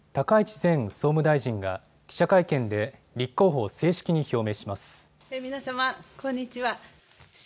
前総務大臣が記者会見で立候補を正式に表明します。